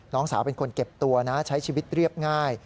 น้องสาวเป็นคนเก็บตัวนะใช้ชีวิตเรียบง่าย